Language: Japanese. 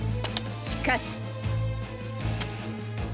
しかし。